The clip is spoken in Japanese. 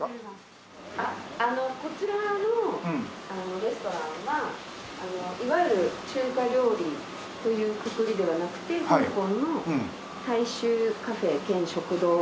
こちらのレストランはいわゆる中華料理というくくりではなくて香港の大衆カフェ兼食堂のようなスタイルのお店。